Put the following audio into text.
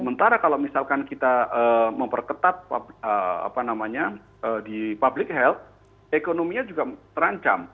sementara kalau misalkan kita memperketat di public health ekonominya juga terancam